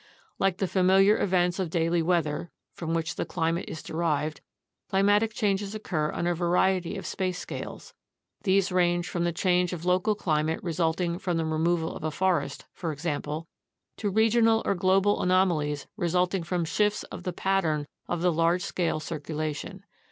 Like the familiar events of daily weather, from which the climate is derived, climatic changes occur on a variety of space scales. These range from the change of local climate resulting from the removal of a forest, for example, to regional or global anomalies resulting from shifts of the pattern of the large scale circulation.